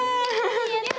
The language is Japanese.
やった！